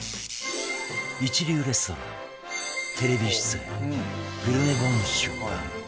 一流レストランテレビ出演グルメ本出版